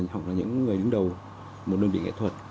hoặc là những người đứng đầu một đơn vị nghệ thuật